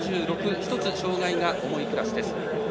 １つ、障がいが重いクラスです。